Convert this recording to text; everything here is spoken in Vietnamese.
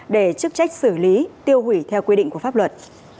để chức trách xử lý tiêu hủy theo quy định của pháp luật